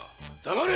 黙れ！